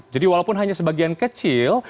jadi walaupun hanya sebagian kecil